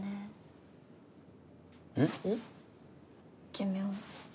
寿命。